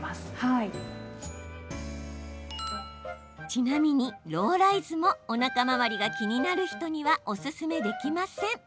ちなみに、ローライズもおなか回りが気になる人にはおすすめできません。